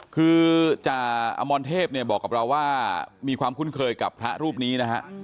คือจ่าอมรเทพเนี่ยบอกกับเราว่ามีความคุ้นเคยกับพระรูปนี้นะฮะ